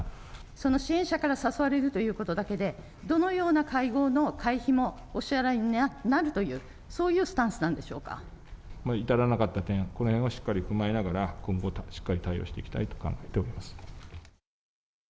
その支援者から誘われるということだけで、どのような会合の会費もお支払いになるという、そういうスタンス至らなかった点、このへんはしっかり踏まえながら、今後はしっかり対応していきたいと考えております。